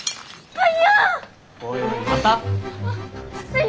はい！